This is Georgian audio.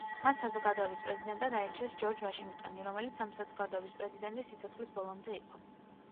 მათ საზოგადოების პრეზიდენტად აირჩიეს ჯორჯ ვაშინგტონი, რომელიც ამ საზოგადოების პრეზიდენტი სიცოცხლის ბოლომდე იყო.